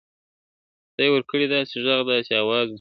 خدای ورکړی داسي ږغ داسي آواز وو !.